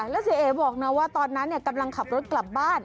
แล้วเศรษฐ์เอ๋บบอกนะว่าตอนนั้นเนี่ยกำลังขับรถกลับบ้าน